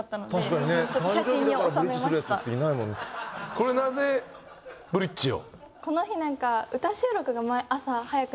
これなぜブリッジを？